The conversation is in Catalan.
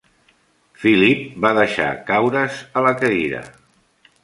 Philip va deixar caure's a la cadira.